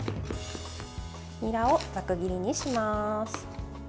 にらをざく切りにします。